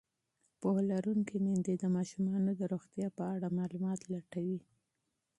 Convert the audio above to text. پوهه لرونکې میندې د ماشومانو د روغتیا په اړه معلومات لټوي.